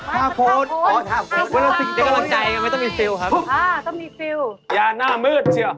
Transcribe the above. เวลาสิทธิ์ต่ออยู่